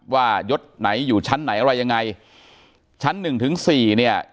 ยศไหนอยู่ชั้นไหนอะไรยังไงชั้นหนึ่งถึงสี่เนี่ย